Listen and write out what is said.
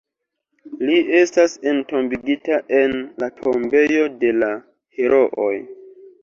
Li estas entombigita en la Tombejo de la Herooj.